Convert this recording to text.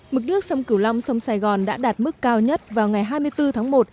mực nước sông cửu long sông sài gòn đã đạt mức cao nhất vào ngày hai mươi bốn tháng một